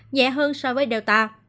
nhẹ hơn so với delta